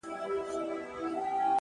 نور به شاعره زه ته چوپ ووسو ـ